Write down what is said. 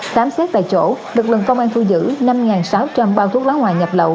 khám xét tại chỗ lực lượng công an thu giữ năm sáu trăm linh bao thuốc lá ngoại nhập lậu